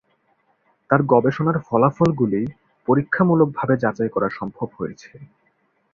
তার গবেষণার ফলাফলগুলি পরীক্ষামূলকভাবে যাচাই করা সম্ভব হয়েছে।